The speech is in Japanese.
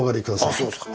あそうですか。